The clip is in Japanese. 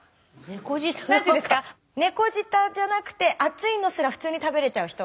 何て言うんですか猫舌じゃなくて熱いのすら普通に食べれちゃう人。